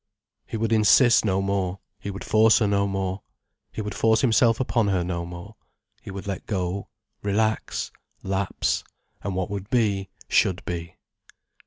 He would insist no more, he would force her no more. He would force himself upon her no more. He would let go, relax, lapse, and what would be, should be.